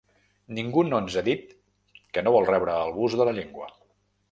Ningú no ens ha dit que no vol rebre el bus de la llengua.